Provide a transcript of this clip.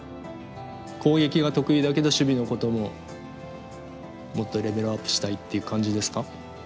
攻撃が得意だけど守備のことももっとレベルアップしたいっていう感じですか？